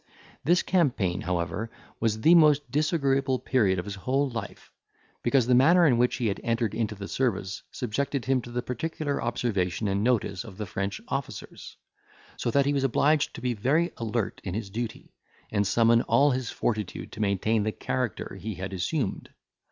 This campaign, however, was the most disagreeable period of his whole life; because the manner in which he had entered into the service subjected him to the particular observation and notice of the French officers; so that he was obliged to be very alert in his duty, and summon all his fortitude to maintain the character he had assumed.